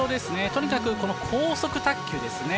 とにかく高速卓球ですね。